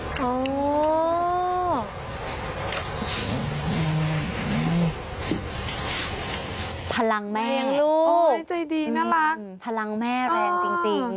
พลังแม่แรงลูกพลังแม่แรงจริงมีสัญชาติยานความเป็นแม่นะคะ